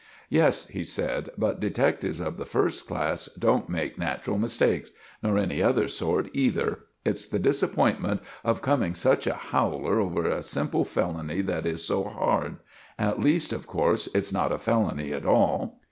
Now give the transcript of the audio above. "Yes," he said; "but detectives of the first class don't make natural mistakes—nor any other sort either. It's the disappointment of coming such a howler over a simple felony that is so hard. At least, of course, it's not a felony at all."